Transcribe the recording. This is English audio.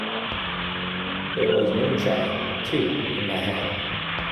There was moonshine, too, in my head.